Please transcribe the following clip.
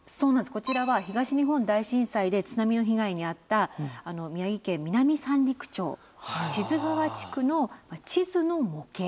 こちらは東日本大震災で津波の被害に遭った宮城県南三陸町志津川地区の地図の模型なんですね。